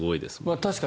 確かに。